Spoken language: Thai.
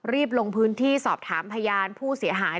รีบลงพื้นที่สอบถามพยานผู้เสียหาย